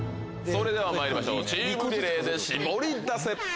それではまいりましょうチームリレーでシボリダセ！